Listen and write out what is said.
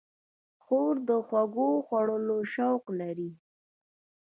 خور د خوږو خوړلو شوق لري.